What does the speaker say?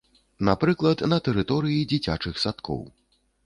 Напрыклад, на тэрыторыі дзіцячых садкоў.